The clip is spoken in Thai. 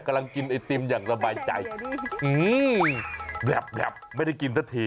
กำลังกินไอติมอย่างสบายใจแบบไม่ได้กินสักที